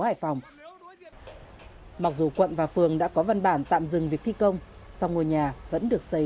hải phòng mặc dù quận và phường đã có văn bản tạm dừng việc thi công song ngôi nhà vẫn được xây